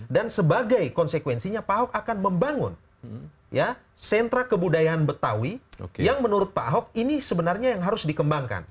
dan sebagai konsekuensinya pak ahok akan membangun sentra kebudayaan betawi yang menurut pak ahok ini sebenarnya yang harus dikembangkan